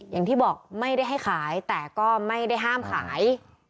อย่างที่บอกไม่ได้ให้ขายแต่ก็ไม่ได้ห้ามขาย